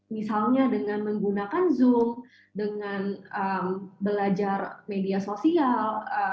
misalnya dengan menggunakan zoom dengan belajar media sosial